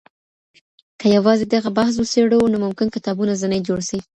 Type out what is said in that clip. که يوازي دغه بحث وڅيړو، نو ممکن کتابونه ځني جوړ سي